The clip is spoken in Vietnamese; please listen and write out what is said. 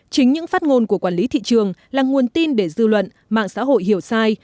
chính những phát ngôn của quản lý thị trường là nguồn tin để dư luận mạng xã hội hiểu sai